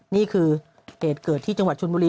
นี่คือเหตุเกิดที่จังหวัดชนบุรี